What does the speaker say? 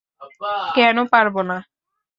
কেন পারব না?